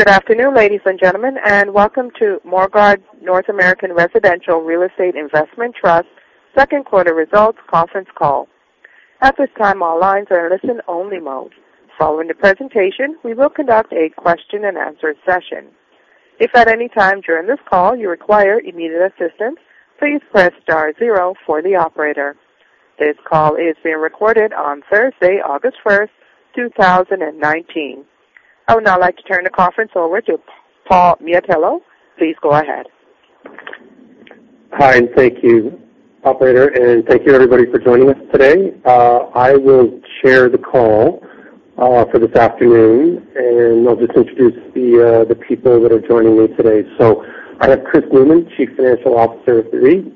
Good afternoon, ladies and gentlemen, and welcome to Morguard North American Residential REIT second quarter results conference call. At this time, all lines are in listen only mode. Following the presentation, we will conduct a question and answer session. If at any time during this call you require immediate assistance, please press star zero for the operator. This call is being recorded on Thursday, August 1st, 2019. I would now like to turn the conference over to Paul Miatello. Please go ahead. Hi, thank you, operator, and thank you everybody for joining us today. I will chair the call for this afternoon, and I'll just introduce the people that are joining me today. I have Chris Newman, Chief Financial Officer of the REIT,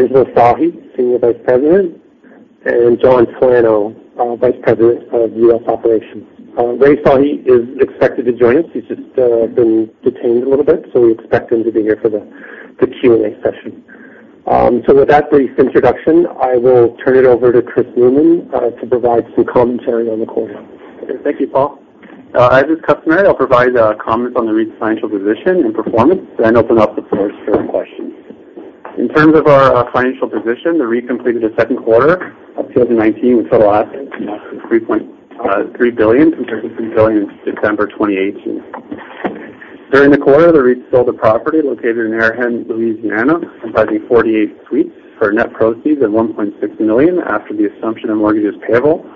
Angela Sahi, Senior Vice President, and John Talano, Vice President of U.S. Operations. Rai Sahi is expected to join us. He's just been detained a little bit, we expect him to be here for the Q&A session. With that brief introduction, I will turn it over to Chris Newman to provide some commentary on the quarter. Okay. Thank you, Paul. As is customary, I'll provide comments on the REIT's financial position and performance, then open up the floor for questions. In terms of our financial position, the REIT completed the second quarter of 2019 with total assets amounting to CAD 3.3 billion, compared to CAD 3 billion in December 2018. During the quarter, the REIT sold a property located in Harahan, Louisiana, comprising 48 suites for net proceeds of 1.6 million after the assumption of mortgages payable,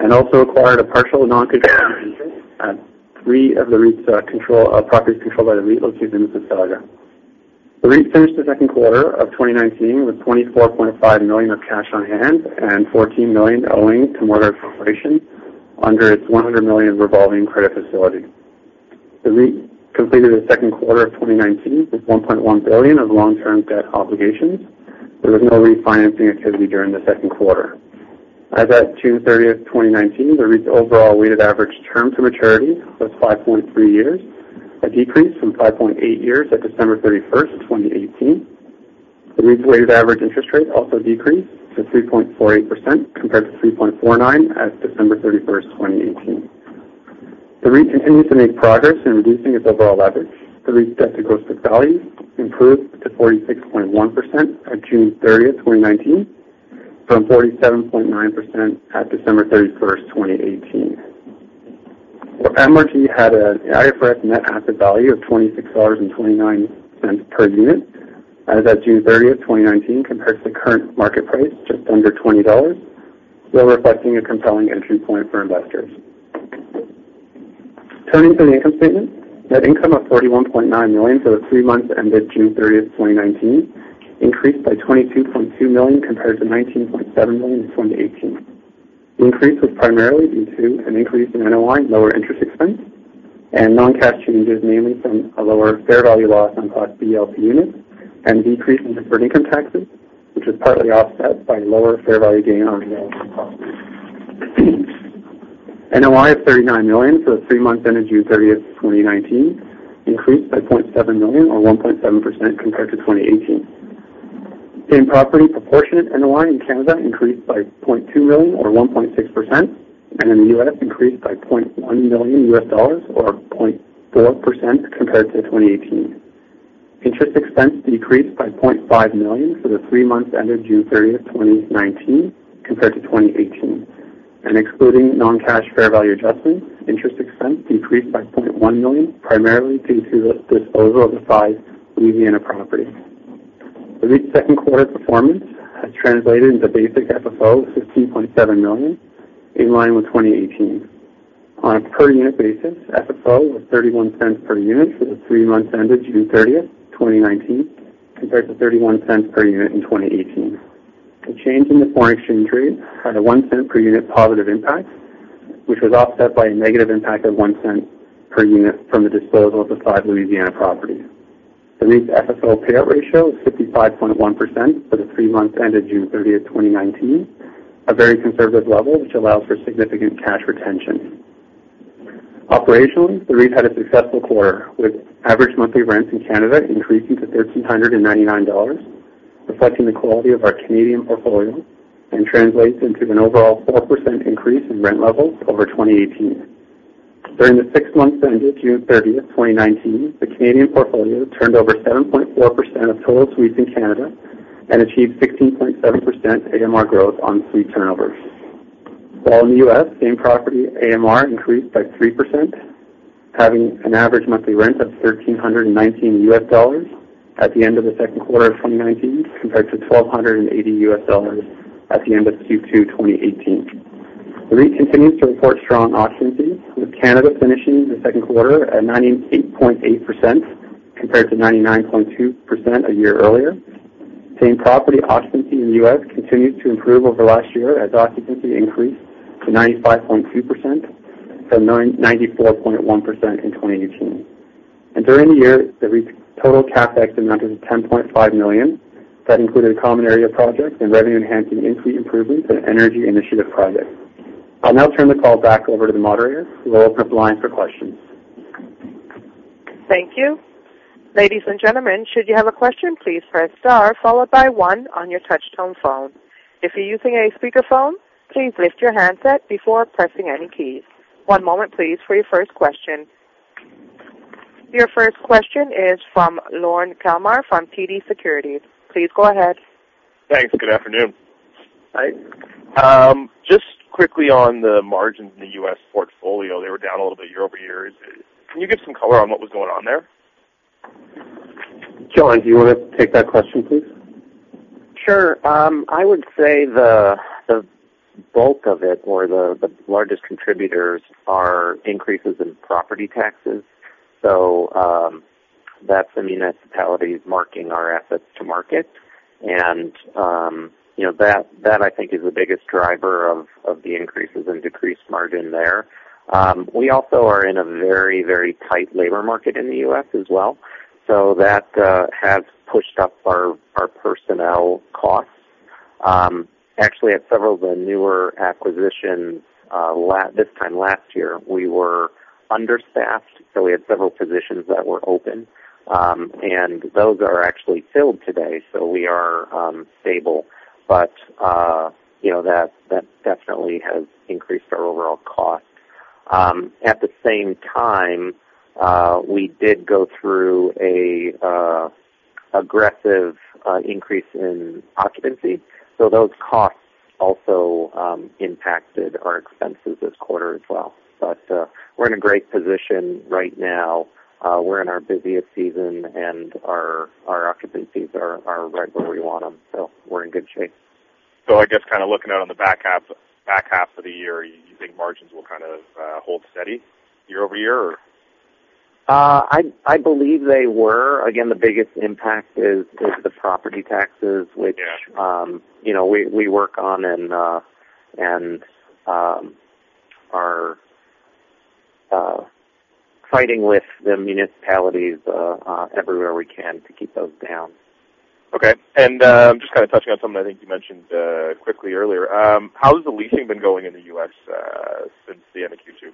and also acquired a partial non-controlling interest at three of the REIT's properties controlled by the REIT located in Mississauga. The REIT finished the second quarter of 2019 with 24.5 million of cash on hand and 14 million owing to Morguard Corporation under its 100 million revolving credit facility. The REIT completed the second quarter of 2019 with 1.1 billion of long-term debt obligations. There was no refinancing activity during the second quarter. As at June 30th, 2019, the REIT's overall weighted average term to maturity was 5.3 years, a decrease from 5.8 years at December 31st, 2018. The REIT's weighted average interest rate also decreased to 3.48%, compared to 3.49% at December 31st, 2018. The REIT continues to make progress in reducing its overall leverage. The REIT's debt-to-cost of value improved to 46.1% at June 30th, 2019, from 47.9% at December 31st, 2018. For MRG.UN had an IFRS net asset value of 26.29 dollars per unit as at June 30th, 2019, compared to the current market price just under 20 dollars, still reflecting a compelling entry point for investors. Turning to the income statement, net income of 41.9 million for the three months ended June 30th, 2019, increased by 22.2 million compared to 19.7 million in 2018. The increase was primarily due to an increase in NOI and lower interest expense and non-cash changes, namely from a lower fair value loss on Class B LP units and decrease in deferred income taxes, which was partly offset by lower fair value gain on real estate properties. NOI of CAD 39 million for the three months ended June 30, 2019, increased by 0.7 million or 1.7% compared to 2018. Same property proportionate NOI in Canada increased by 0.2 million or 1.6%. In the U.S. increased by CAD 0.1 million or 0.4% compared to 2018. Interest expense decreased by 0.5 million for the three months ended June 30, 2019, compared to 2018. Excluding non-cash fair value adjustments, interest expense decreased by 0.1 million, primarily due to the disposal of the five Louisiana properties. The REIT's second quarter performance has translated into basic FFO of 15.7 million, in line with 2018. On a per unit basis, FFO was 0.31 per unit for the three months ended June 30th, 2019, compared to 0.31 per unit in 2018. A change in the foreign exchange rate had a 0.01 per unit positive impact, which was offset by a negative impact of 0.01 per unit from the disposal of the five Louisiana properties. The REIT's FFO payout ratio was 55.1% for the three months ended June 30th, 2019, a very conservative level, which allows for significant cash retention. Operationally, the REIT had a successful quarter, with average monthly rents in Canada increasing to 1,399 dollars, reflecting the quality of our Canadian portfolio, and translates into an overall 4% increase in rent levels over 2018. During the six months ended June 30th, 2019, the Canadian portfolio turned over 7.4% of total suites in Canada and achieved 16.7% AMR growth on suite turnovers. While in the U.S., same property AMR increased by 3%, having an average monthly rent of CAD 1,319 at the end of the second quarter of 2019, compared to CAD 1,280 at the end of Q2 2018. The REIT continues to report strong occupancy, with Canada finishing the second quarter at 98.8% compared to 99.2% a year earlier. Same property occupancy in the U.S. continued to improve over last year as occupancy increased to 95.2% from 94.1% in 2018. During the year, the REIT's total CapEx amounted to 10.5 million. That included a common area project and revenue-enhancing in-suite improvements and energy initiative projects. I'll now turn the call back over to the moderator, who will open the line for questions. Thank you. Ladies and gentlemen, should you have a question, please press star followed by one on your touch-tone phone. If you're using a speakerphone, please lift your handset before pressing any keys. One moment please, for your first question. Your first question is from Lorne Kalmar from TD Securities. Please go ahead. Thanks. Good afternoon. Hi. Just quickly on the margins in the U.S. portfolio, they were down a little bit year-over-year. Can you give some color on what was going on there? John, do you want to take that question, please? Sure. I would say the bulk of it or the largest contributors are increases in property taxes. That's the municipalities marking our assets to market. That I think is the biggest driver of the increases and decreased margin there. We also are in a very tight labor market in the U.S. as well. That has pushed up our personnel costs. Actually, at several of the newer acquisitions this time last year, we were understaffed, so we had several positions that were open, and those are actually filled today, so we are stable. That definitely has increased our overall cost. At the same time, we did go through an aggressive increase in occupancy. Those costs also impacted our expenses this quarter as well. We're in a great position right now. We're in our busiest season, and our occupancies are right where we want them. We're in good shape. I guess kind of looking out on the back half of the year, you think margins will kind of hold steady year-over-year, or? I believe they were. The biggest impact is the property taxes. Yeah which we work on and are fighting with the municipalities everywhere we can to keep those down. Okay. Just kind of touching on something I think you mentioned quickly earlier. How has the leasing been going in the U.S. since the end of Q2?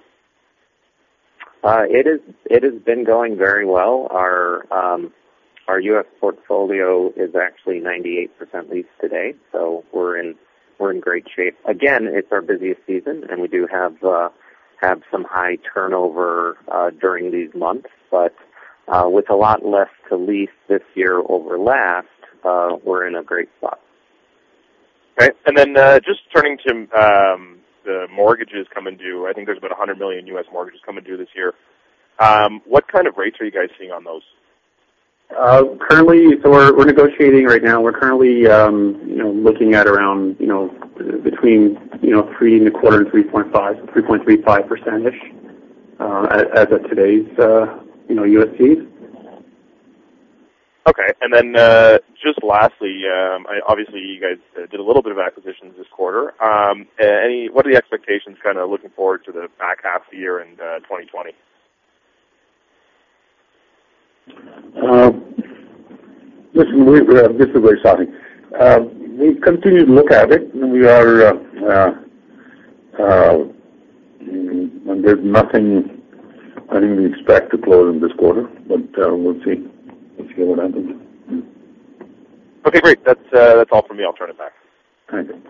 It has been going very well. Our U.S. portfolio is actually 98% leased today, so we're in great shape. Again, it's our busiest season, and we do have some high turnover during these months. With a lot less to lease this year over last, we're in a great spot. Okay. Just turning to the mortgages coming due. I think there's about $100 million U.S. mortgages coming due this year. What kind of rates are you guys seeing on those? Currently, we're negotiating right now. We're currently looking at around between 3.25% and 3.5%, 3.35%-ish, as of today's U.S. dollar. Okay. Just lastly, obviously you guys did a little bit of acquisitions this quarter. What are the expectations kind of looking forward to the back half of the year and 2020? Listen, this is where it's happening. We continue to look at it, and there's nothing I think we expect to close in this quarter, but we'll see. We'll see what happens. Okay, great. That's all for me. I'll turn it back. Thank you.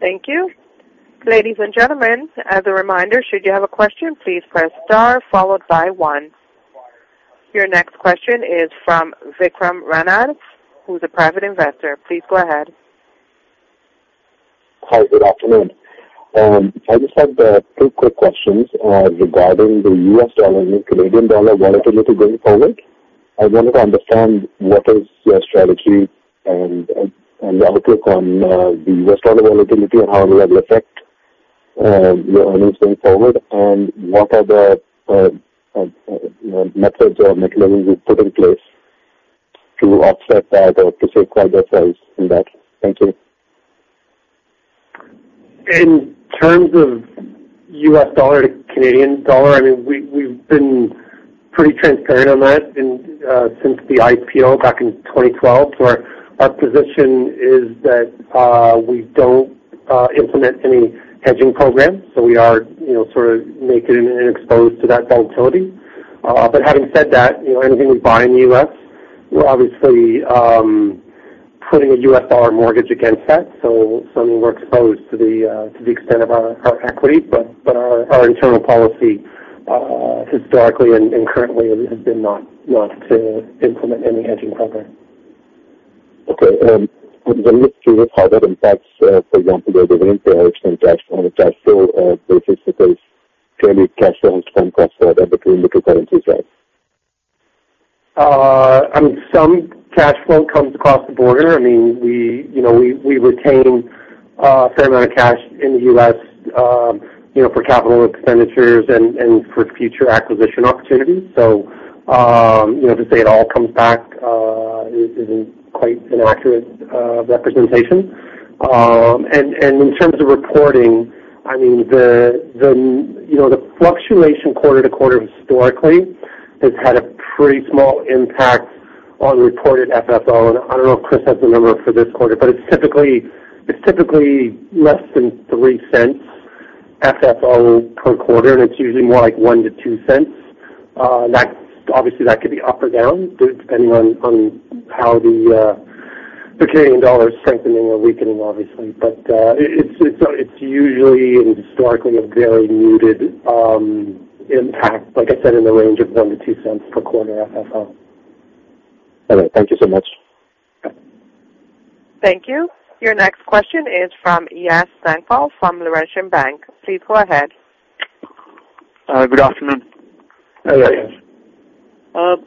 Thank you. Ladies and gentlemen, as a reminder, should you have a question, please press star followed by one. Your next question is from Vikram Ranad, who's a private investor. Please go ahead. Hi, good afternoon. I just have two quick questions regarding the U.S. dollar, I mean Canadian dollar volatility going forward. I wanted to understand what is your strategy and the outlook on the U.S. dollar volatility and how it will affect your earnings going forward, and what are the methods or mechanisms you've put in place to offset that or to safeguard yourselves from that? Thank you. In terms of U.S. dollar to Canadian dollar, we've been pretty transparent on that since the IPO back in 2012, where our position is that we don't implement any hedging programs. We are sort of naked and exposed to that volatility. Having said that, anything we buy in the U.S., we're obviously putting a U.S. dollar mortgage against that. We're exposed to the extent of our equity, but our internal policy historically and currently has been not to implement any hedging program. Okay. When the 3% impact, for example, the rent for an extent cash flow basis, if there's any cash flows from cross-border between the currencies then? Some cash flow comes across the border. We retain a fair amount of cash in the U.S. for capital expenditures and for future acquisition opportunities. To say it all comes back isn't quite an accurate representation. In terms of reporting, the fluctuation quarter to quarter historically has had a pretty small impact on reported FFO, and I don't know if Chris has the number for this quarter, but it's typically less than 0.03 FFO per quarter, and it's usually more like 0.01-0.02. Obviously, that could be up or down, depending on how the Canadian dollar is strengthening or weakening, obviously. It's usually and historically a very muted impact, like I said, in the range of 0.01-0.02 per quarter FFO. All right. Thank you so much. Thank you. Your next question is from Yash Sankpal from Laurentian Bank. Please go ahead. Good afternoon. Hello, Yash.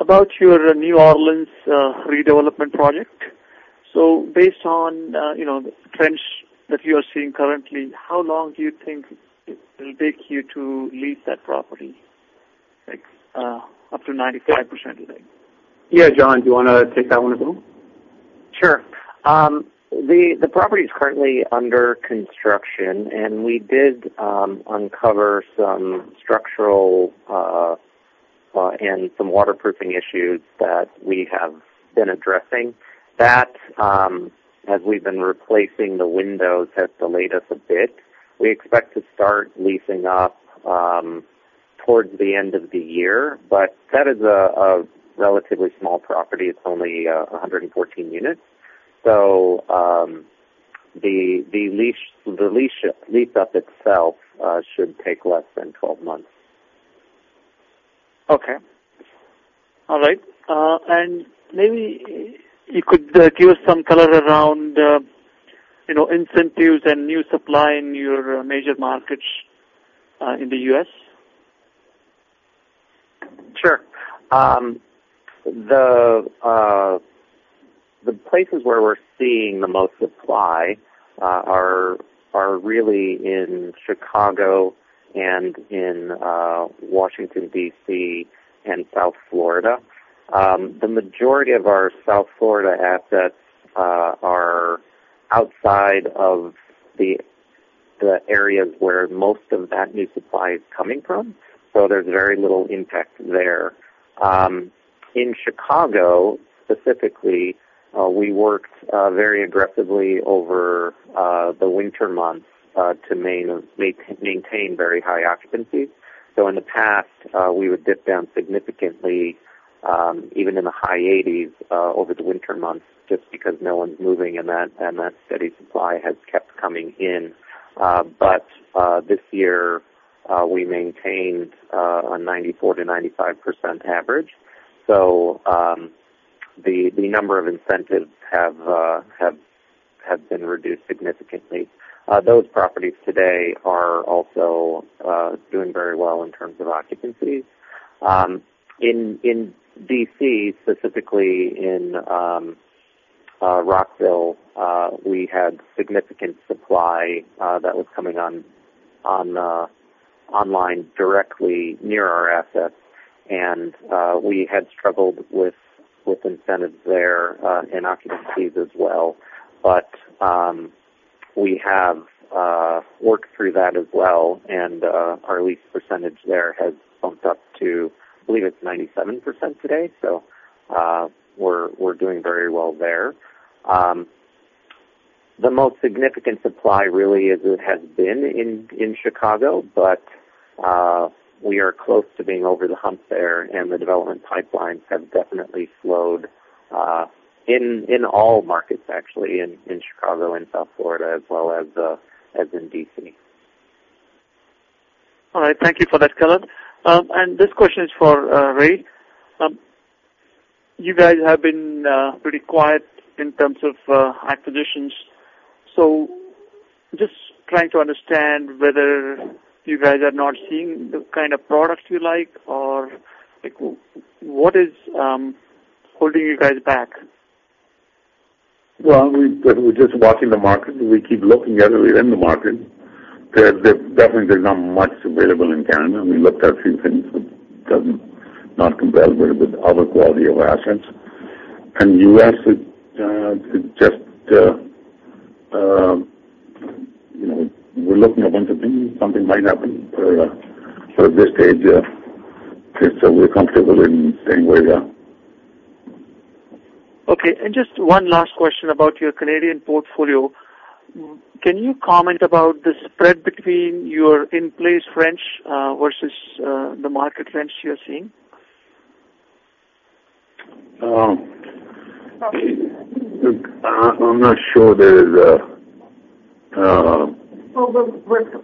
About your New Orleans redevelopment project, based on the trends that you are seeing currently, how long do you think it will take you to lease that property? Up to 95%, I think. Yeah, John, do you want to take that one as well? Sure. The property is currently under construction, and we did uncover some structural and some waterproofing issues that we have been addressing. That, as we've been replacing the windows, has delayed us a bit. We expect to start leasing up towards the end of the year, but that is a relatively small property. It's only 114 units. The lease-up itself should take less than 12 months. Okay. All right. Maybe you could give some color around incentives and new supply in your major markets in the U.S. Sure. The places where we're seeing the most supply are really in Chicago and in Washington, D.C., and South Florida. The majority of our South Florida assets are outside of the areas where most of that new supply is coming from. There's very little impact there. In Chicago, specifically, we worked very aggressively over the winter months to maintain very high occupancies. In the past, we would dip down significantly, even in the high 80s, over the winter months, just because no one's moving, and that steady supply has kept coming in. This year, we maintained a 94%-95% average. The number of incentives have been reduced significantly. Those properties today are also doing very well in terms of occupancies. In D.C., specifically in Rockville, we had significant supply that was coming online directly near our assets, and we had struggled with incentives there and occupancies as well. We have worked through that as well, and our lease percentage there has bumped up to, I believe it's 97% today. We're doing very well there. The most significant supply really has been in Chicago, but we are close to being over the hump there, and the development pipelines have definitely slowed in all markets, actually, in Chicago and South Florida, as well as in D.C. All right. Thank you for that color. This question is for Rai. You guys have been pretty quiet in terms of acquisitions. Just trying to understand whether you guys are not seeing the kind of products you like, or what is holding you guys back? Well, we're just watching the market. We keep looking at it. We're in the market. There's definitely not much available in Canada, and we looked at a few things, but doesn't compare with other quality of assets. U.S., we're looking at a bunch of things. Something might happen. At this stage, we're comfortable in staying where we are. Okay. Just one last question about your Canadian portfolio. Can you comment about the spread between your in-place rents versus the market rents you're seeing? I'm not sure there is a Well,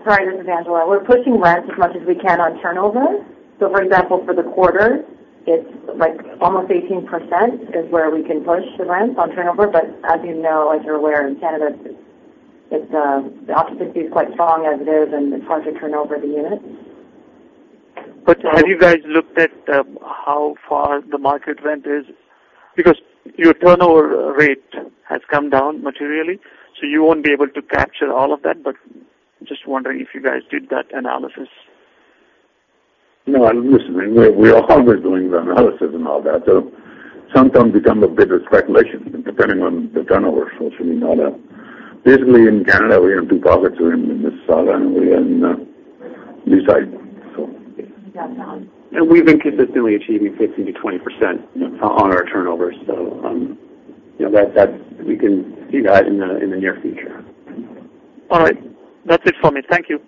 sorry, this is Angela. We're pushing rents as much as we can on turnover. For example, for the quarter, it's almost 18% is where we can push the rents on turnover. As you know, as you're aware, in Canada, the occupancy is quite strong as it is, and it's hard to turn over the units. Have you guys looked at how far the market rent is? Because your turnover rate has come down materially, so you won't be able to capture all of that. Just wondering if you guys did that analysis. No, listen, we are always doing the analysis and all that. Sometimes become a bit of speculation, depending on the turnover. We know that. Basically, in Canada, we are in two pockets. We're in Mississauga, and we're in the east side. Yeah. Yeah, John. We've been consistently achieving 15%-20% on our turnover. We can see that in the near future. All right. That's it for me. Thank you.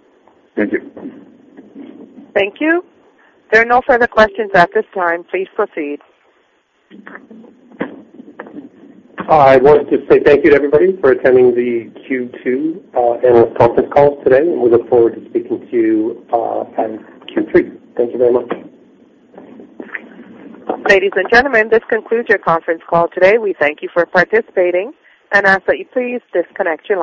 Thank you. Thank you. There are no further questions at this time. Please proceed. I want to say thank you to everybody for attending the Q2 annual conference call today. We look forward to speaking to you on Q3. Thank you very much. Ladies and gentlemen, this concludes your conference call today. We thank you for participating and ask that you please disconnect your lines.